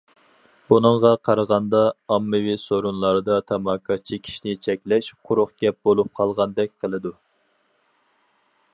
بۇنىڭغا قارىغاندا، ئاممىۋى سورۇنلاردا تاماكا چېكىشنى چەكلەش قۇرۇق گەپ بولۇپ قالغاندەك قىلىدۇ.